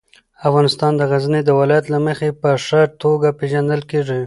افغانستان د غزني د ولایت له مخې په ښه توګه پېژندل کېږي.